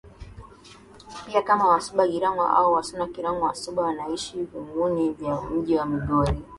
pia kama WasubaGirango au WasunaGirango Wasuba wanaishi viungani vya mji wa Migori